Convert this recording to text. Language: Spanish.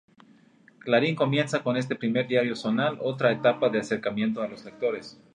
Clarín comienza, con este primer diario zonal, otra etapa de acercamiento a los lectores.